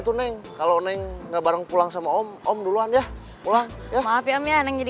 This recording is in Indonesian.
tuneng kalau neng ngebawa pulang sama om om duluan ya pulang ya ngapain ya neng jadi